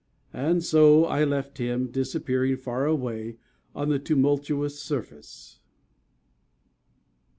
And so I left him disappearing far away on the tumultuous surface."